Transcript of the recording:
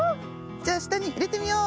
じゃあしたにいれてみよう！